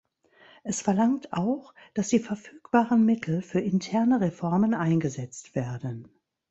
Es verlangt auch, dass die verfügbaren Mittel für interne Reformen eingesetzt werden.